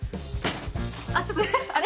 あちょっとあれ？